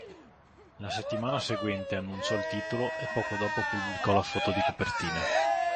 La settimana seguente annunciò il titolo e poco dopo pubblicò la foto di copertina.